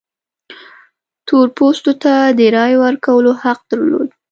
تور پوستو ته د رایې ورکولو حق درلود.